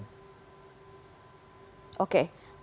menghubungi untuk sekarang